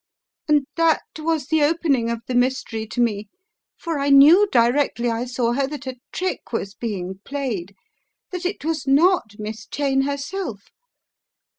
And that was the opening of the mystery to me, for I knew directly I saw her that a trick was being played; that it was not Miss Cheyne herself.